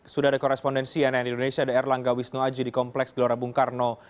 sudah ada korespondensi yang ada di indonesia ada erlang gawisno aji di kompleks gelora bung karno